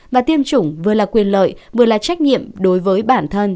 và tiêm chủng vừa là quyền lợi vừa là trách nhiệm đối với bản thân